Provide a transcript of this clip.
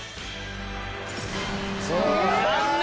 残念！